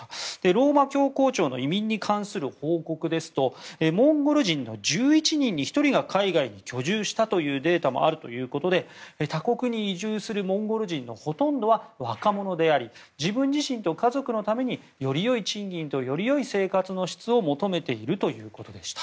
ローマ教皇庁の移民に関する報告ですとモンゴル人の１１人に１人が海外に居住したというデータもあるということで他国に移住するモンゴル人のほとんどは若者であり自分自身と家族のためによりよい賃金とよりよい生活の質を求めているということでした。